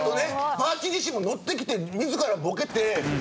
パーちん自身も乗ってきて自らボケて。